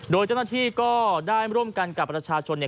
โดยเจ้าหน้าที่ก็ได้ร่วมกันกับประชาชนเนี่ย